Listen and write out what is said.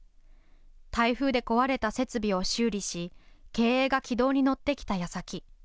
台風で壊れた設備を修理し経営が軌道に乗ってきたやさき。